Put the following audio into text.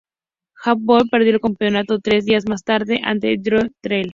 Havok perdió el campeonato tres días más tarde ante Taryn Terrell.